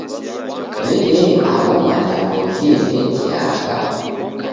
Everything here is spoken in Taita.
W'elee, agho malengo ghielekiagha?